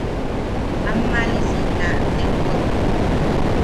Ammalisi na teuwak.